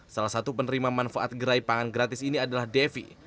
salah satu penerima manfaat gerai pangan gratis ini adalah devi